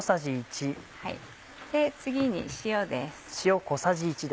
次に塩です。